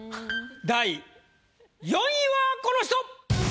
第４位はこの人！